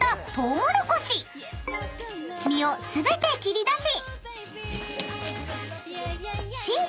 ［実を全て切り出し］